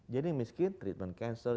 jadi yang miskin treatment cancer